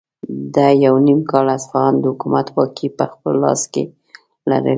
ده یو نیم کال اصفهان د حکومت واکې په خپل لاس کې لرلې.